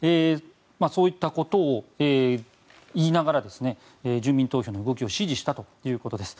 そういったことを言いながら住民投票の動きを支持したということです。